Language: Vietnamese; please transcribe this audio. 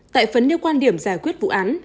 tại phấn nêu quan điểm giải quyết vụ án